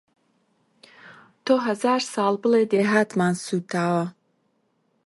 تۆ هەزار ساڵ بڵێ دێهاتمان سووتاوە